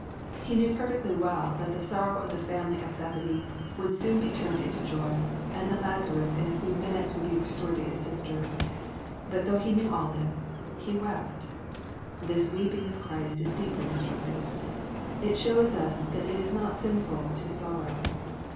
He knew perfectly well that the sorrow of the family of Bethany would soon be turned into joy, and that Lazarus in a few minutes would be restored to his sisters. But though he knew all this, he " wept." This weeping of Christ is deeply instructive. It shows US that it is not sinful to sorrow.